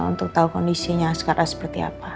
untuk tau kondisinya askara seperti apa